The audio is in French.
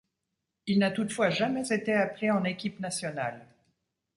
Il n'a toutefois jamais été appelé en équipe nationale.